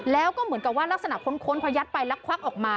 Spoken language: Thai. แล้วก็เหมือนกับว่ารักษณค้นพอยัดไปแล้วควักออกมา